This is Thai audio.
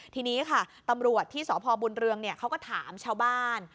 ทีนี้ค่ะตำรวจที่สพบุญเรืองเขาก็ถามชาวบ้าน